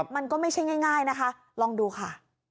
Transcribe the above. มันก็ไม่ใช่ง่ายนะคะลองดูค่ะ